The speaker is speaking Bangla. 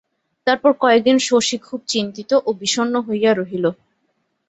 তারপর কয়েকদিন শশী খুব চিন্তিত ও বিষন্ন হইয়া রহিল।